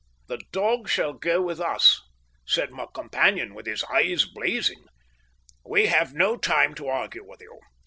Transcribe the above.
"The dog shall go with us," said my companion, with his eyes blazing. "We have no time to argue with you.